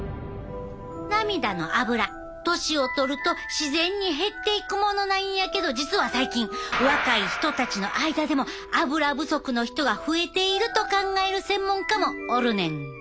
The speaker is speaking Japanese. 涙のアブラ年を取ると自然に減っていくものなんやけど実は最近若い人たちの間でもアブラ不足の人が増えていると考える専門家もおるねん。